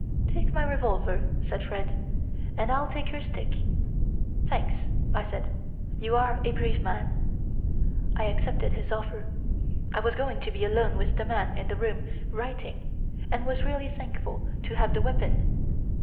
"'Take my revolver,' said Fred, 'and I'll take your stick.' "'Thanks,' I said; 'You are a brave man.' "I accepted his offer. I was going to be alone with the man in the room writing and was really thankful to have the weapon.